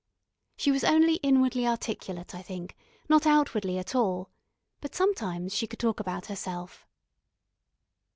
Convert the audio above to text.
She was only inwardly articulate, I think, not outwardly at all, but sometimes she could talk about herself.